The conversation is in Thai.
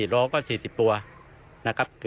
โลก็๔๐ตัวนะครับ